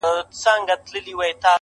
ستا د يادونو فلسفې ليكلي~